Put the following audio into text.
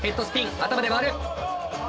頭で回る。